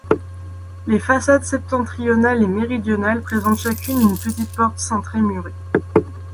Les façades septentrionale et méridionale présentent chacune une petite porte cintrée murée.